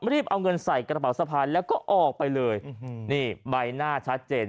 รีบเอาเงินใส่กระเป๋าสะพายแล้วก็ออกไปเลยนี่ใบหน้าชัดเจน